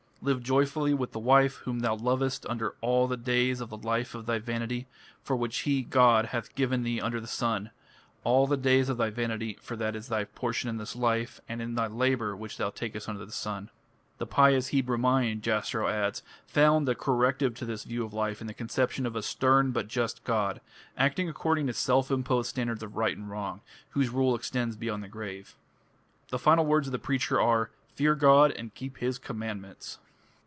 Live joyfully with the wife whom thou lovest all the days of the life of thy vanity, which he [God] hath given thee under the sun, all the days of thy vanity: for that is thy portion in this life, and in thy labour which thou takest under the sun. "The pious Hebrew mind", Jastrow adds, "found the corrective to this view of life in the conception of a stern but just God, acting according to self imposed standards of right and wrong, whose rule extends beyond the grave." The final words of the Preacher are, "Fear God and keep his commandments".